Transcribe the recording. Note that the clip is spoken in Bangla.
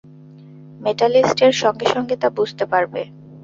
মেস্টালিস্টর সঙ্গে সঙ্গে তা বুঝতে পারবে।